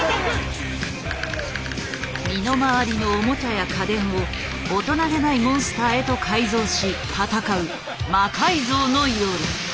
身の回りのオモチャや家電を大人気ないモンスターへと改造し戦う「魔改造の夜」。